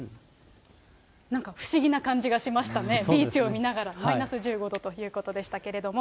なんか不思議な感じがしましたね、ビーチを見ながらマイナス１５度ということでしたけれども。